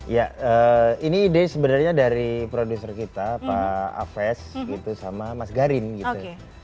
ya ini ide sebenarnya dari produser kita pak aves gitu sama mas garin gitu